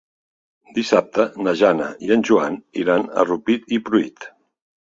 Dissabte na Jana i en Joan iran a Rupit i Pruit.